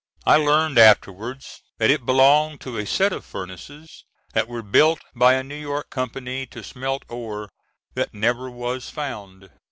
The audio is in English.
I learned afterwards that it belonged to a set of furnaces that were built by a New York company to smelt ore that never was found.